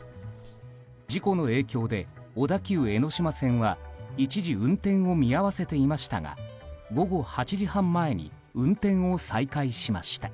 事故の影響で小田急江ノ島線は一時、運転を見合わせていましたが午後８時半前に運転を再開しました。